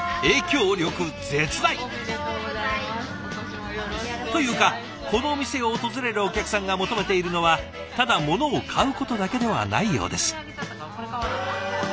影響力絶大！というかこのお店を訪れるお客さんが求めているのはただ物を買うことだけではないようです。